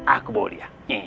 aku bawa dia